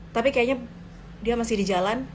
tapi kayaknya dia masih di jalan